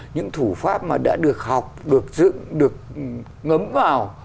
những thủ pháp mà đã được học được dựng được ngấm vào